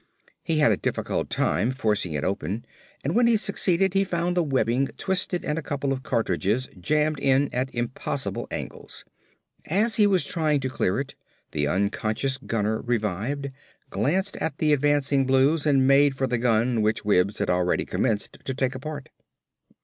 He had a difficult time forcing it open and when he succeeded he found the webbing twisted and a couple of cartridges jammed in at impossible angles. As he was trying to clear it, the unconscious gunner revived, glanced at the advancing Blues and made for the gun which Wims had already commenced to take apart.